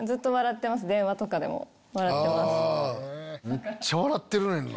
めっちゃ笑ってるねんな。